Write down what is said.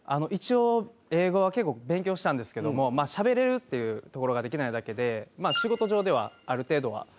一応英語は結構勉強したんですけどもまあしゃべれるっていうところができないだけで仕事上ではある程度は。